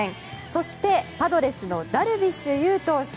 そして、パドレスのダルビッシュ有投手。